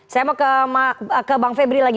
saya mau ke bang febri lagi